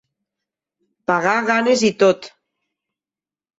Pagar ganes i tot.